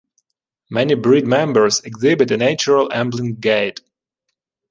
Many breed members exhibit a natural ambling gait.